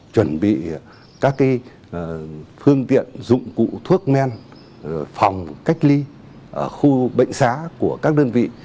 chuẩn bị các phương tiện dụng cụ thuốc men phòng cách ly ở khu bệnh xá của các đơn vị